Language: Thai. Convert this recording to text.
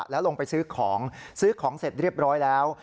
แล้วลงไปซื้อของซื้อของเสร็จเรียบร้อยแล้ว